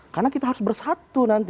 karena kita harus bersatu nanti